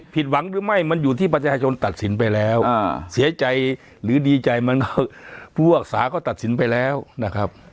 ผิดหวังหรือไม่มันอยู่ที่ประชาชนตัดสินไปแล้วเสียใจหรือดีใจมากผู้ภาคศาก็ตัดสินไปแล้วนะครับ